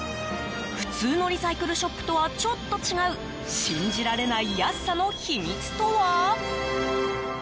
普通のリサイクルショップとはちょっと違う信じられない安さの秘密とは。